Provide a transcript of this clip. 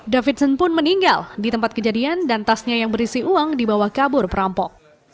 davidson pun meninggal di tempat kejadian dan tasnya yang berisi uang dibawa kabur perampok